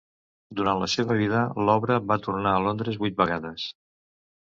Durant la seva vida, l'obra va tornar a Londres vuit vegades.